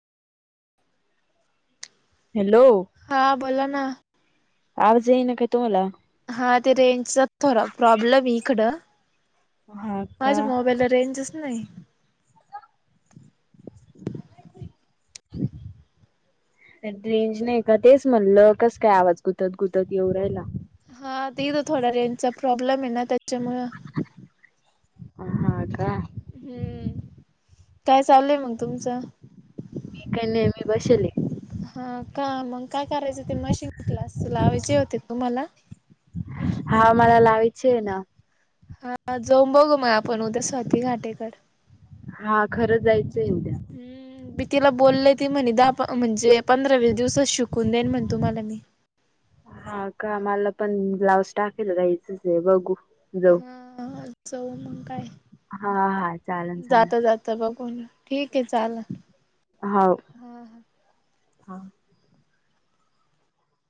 hello हा बोला ना आवाज येईना काय तुम्हाला हा ते रेंजचा थोडा प्रॉब्लेम आहे इकडं हा का माझ्या मोबाईलला रेंजच नाही [inaudible] रेंज नाही का तेच म्हणलं आवाज कस काय गुतत गुतत येऊ रायला हा ते इथ थोडा रेंजचा प्रॉब्लेम आहे ना त्याच्यामुळं हा का हम्म काय चाललंय मग तुमचं [inaudible] हा का मग काय करायचं ते मशीन क्लास लावायचे होते तुम्हाला हावा मला लावायचे ये ना हा जाऊन बघू मग आपण उद्या स्वाती घाटेकर हा खरं जायचं ये उद्या हम्म मी तिला बोललय ती म्हणे दहा म्हणजे पंधरा वीस दिवसात शिकून देईन म्हण तुम्हाला मी हा का मला पण ब्लाऊज टाकायला जायचंच आहे बघू जाऊ हा जाऊ मग काय हा हा चालेल चालेल बघून ठीक आहे चाल हा ह